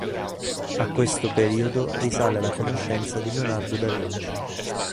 A questo periodo risale la conoscenza di Leonardo Da Vinci.